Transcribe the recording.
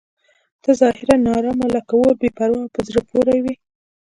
ته ظاهراً ناارامه لکه اور بې پروا او په زړه پورې وې.